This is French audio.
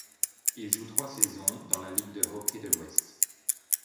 Il joue trois saisons dans la Ligue de hockey de l'Ouest.